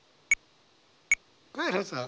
カエラさん。